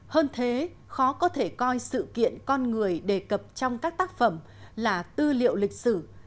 hơn thế khó có thể coi sự kiện con người đề cập trong các tác phẩm là tư liệu lịch sử